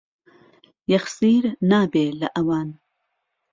يهخسير نابێ له ئهوان